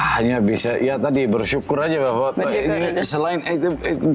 hanya bisa ya tadi bersyukur aja bahwa selain itu